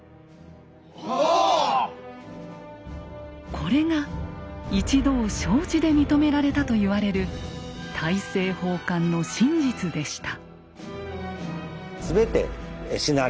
これが一同承知で認められたと言われる大政奉還の真実でした。